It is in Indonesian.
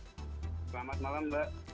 selamat malam mbak